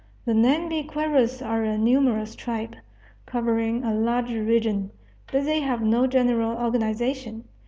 The Nhambiquaras are a numerous tribe, covering a large region. But they have no general organization.